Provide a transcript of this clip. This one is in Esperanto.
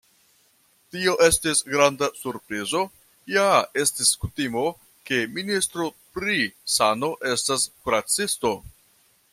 Tio estis granda surprizo, ja estis kutimo, ke ministro pri sano estas kuracisto.